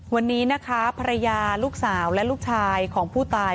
วันนี้นะคะภรรยาลูกสาวและลูกชายของผู้ตาย